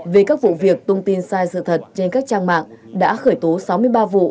về các vụ việc tung tin sai sự thật trên các trang mạng đã khởi tố sáu mươi ba vụ